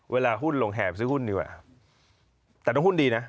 เวลาหุ้นลงแห่ไปซื้อหุ้นดีกว่าแต่ต้องหุ้นดีนะ